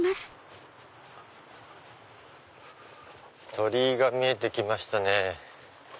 鳥居が見えて来ましたね。